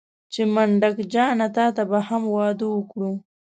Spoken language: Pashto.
چې منډک جانه تاته به هم واده وکړو.